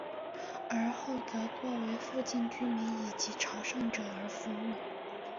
尔后则作为附近居民以及朝圣者而服务。